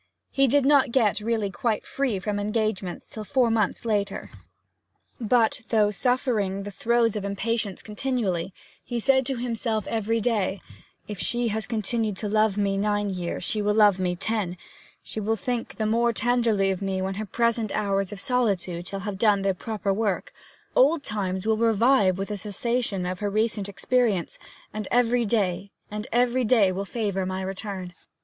He did not get really quite free from engagements till four months later; but, though suffering throes of impatience continually, he said to himself every day: 'If she has continued to love me nine years she will love me ten; she will think the more tenderly of me when her present hours of solitude shall have done their proper work; old times will revive with the cessation of her recent experience, and every day will favour my return.'